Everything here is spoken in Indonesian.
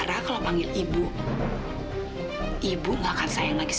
jangan panggil ibu ya di sini